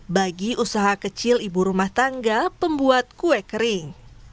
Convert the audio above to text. bagi usaha kecil ibu rumah tangga pembuat kue kering